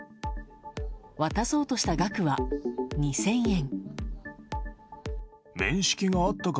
渡そうとした額は２０００円。